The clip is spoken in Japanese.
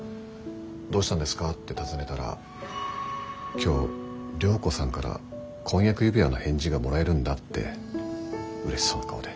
「どうしたんですか？」って尋ねたら「今日涼子さんから婚約指輪の返事がもらえるんだ」ってうれしそうな顔で。